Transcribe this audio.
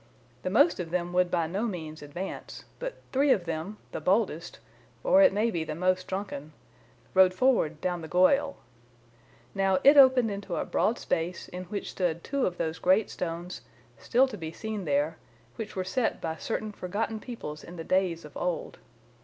The most of them would by no means advance, but three of them, the boldest, or it may be the most drunken, rode forward down the goyal. Now, it opened into a broad space in which stood two of those great stones, still to be seen there, which were set by certain forgotten peoples in the days of old.